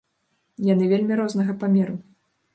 Яны вельмі рознага памеру.